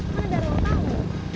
kan ada ruang tamu